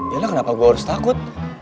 yalah kenapa gue harus takut